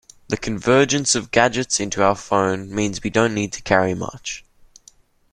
The convergence of gadgets into our phone means we don't need to carry much.